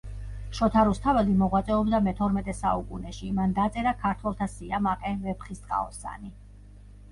შოთა რუსთაველი მოღვაწეობდა მეთორმეტე საუკუნეში. მან დაწერა ქართველთა სიამაყე ,,ვეფხისტყაოსანი."